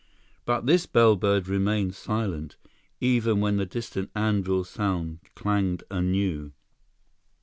But this bellbird remained silent, even when the distant anvil sound clanged anew.